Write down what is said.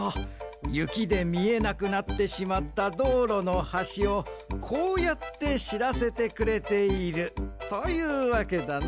ゆきでみえなくなってしまったどうろのはしをこうやってしらせてくれているというわけだな。